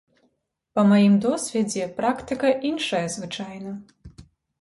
Па маім досведзе практыка іншая звычайна.